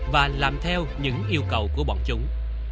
và làm theo những yêu cầu của bọn chúng